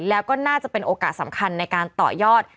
แล้วก็น่าจะเป็นโอกาสสำคัญในการต่อยอด